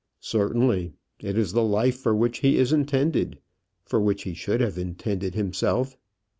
"Certainly. It is the life for which he is intended; for which he should have intended himself."